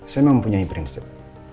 saya mempunyai prinsip